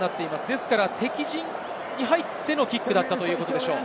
ですから敵陣に入ってのキックだったということでしょう。